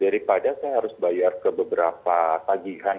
daripada saya harus bayar ke beberapa pagi hanya itu ya kan ya